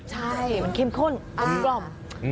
ใช่มันเข้มข้นมันกล่อม